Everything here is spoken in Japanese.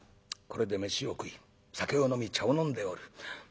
これで飯を食い酒を飲み茶を飲んでおる。